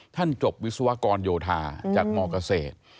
จบวิศวกรโยธาจากมเกษตร